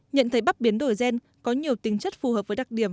nhận thấy bắp biến đổi gen có nhiều tính chất phù hợp với đặc điểm